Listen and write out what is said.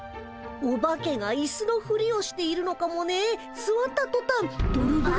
オバケがイスのふりをしているのかもねえすわったとたんドロドロドロ。